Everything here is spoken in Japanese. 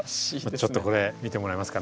ちょっとこれ見てもらえますかね。